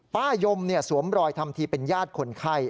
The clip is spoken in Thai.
ป้ายมเนี่ยสวมรอยทำทีเป็นญาติคนไข้